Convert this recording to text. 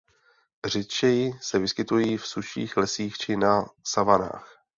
Řidčeji se vyskytují v sušších lesích či na savanách.